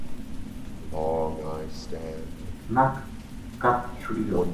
نک کَپ چھُڑیو